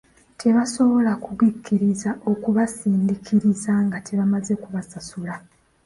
Tebasobola kugikkiriza okubasindiikiriza nga temaze kubasasula.